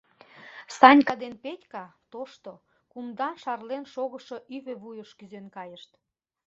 Санька ден Петька тошто, кумдан шарлен шогышо ӱвӧ вуйыш кӱзен кайышт.